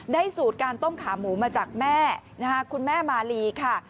สูตรการต้มขาหมูมาจากแม่นะคะคุณแม่มาลีค่ะ